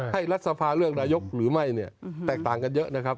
รัฐสภาเลือกนายกหรือไม่เนี่ยแตกต่างกันเยอะนะครับ